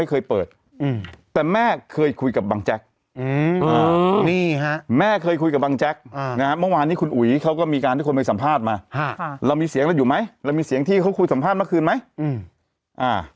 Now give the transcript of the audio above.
คนไปสัมภาษณ์มาค่ะค่ะเรามีเสียงแล้วอยู่ไหมเรามีเสียงที่เขาคุยสัมภาษณ์เมื่อคืนไหมอืมอ่า